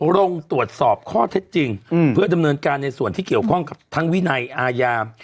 ลงตรวจสอบข้อเท็จจริงเพื่อดำเนินการในส่วนที่เกี่ยวข้องกับทั้งวินัยอาญา